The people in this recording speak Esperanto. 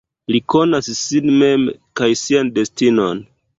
Li konas sin mem kaj sian destinon.